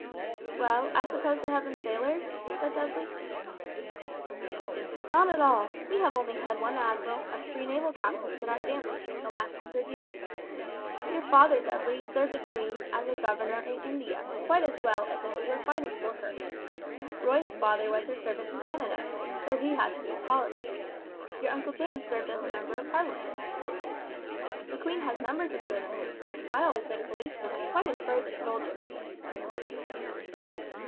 '" "Well, I suppose they have been sailors?" said Dudley. "Not at all; we have only had one admiral, and three naval captains in our family during the last hundred years. Your father, Dudley, served the Queen as a governor in India quite as well as if he were fighting for her. Roy's father was her servant in Canada, though he had to do with politics; your uncle James served as a member of Parliament. The Queen has numbers of servants. I always think policemen are quite as brave as soldiers!"